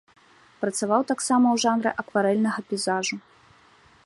Працаваў таксама ў жанры акварэльнага пейзажу.